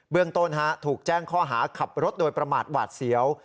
เรื่องต้นถูกแจ้งข้อหาขับรถโดยประมาทหวาดเสียว